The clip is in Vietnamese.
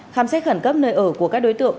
khám xét khẩn cấp nơi ở của các đối tượng